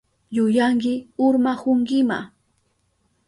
Yuyanki urmahunkima.